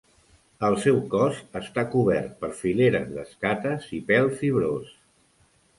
El seu cos està cobert per fileres d'escates i pèl fibrós.